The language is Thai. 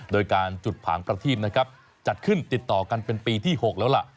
โดยการจุดผางประทีบนะครับจัดขึ้นติดต่อกันเป็นปีที่๖แล้วล่ะ